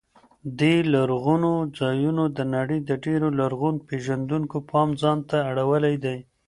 دې لرغونو ځایونو د نړۍ د ډېرو لرغون پېژندونکو پام ځان ته اړولی دی.